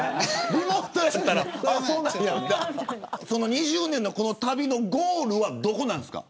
この２０年の旅のゴールはどこなんですか。